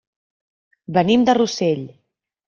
Venim de Rossell.